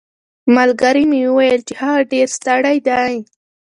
ملګري مې وویل چې هغه ډېر ستړی دی.